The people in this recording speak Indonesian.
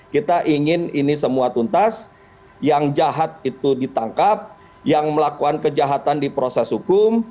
kita ingin ini semua tuntas yang jahat itu ditangkap yang melakukan kejahatan di proses hukum